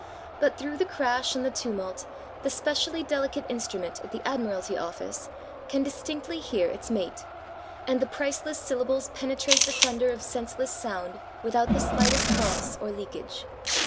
But through the crash and the tumult the specially delicate instrument at the Admiralty Office can distinctly hear its mate, and the priceless syllables penetrate the thunder of senseless sound without the slightest loss or leakage.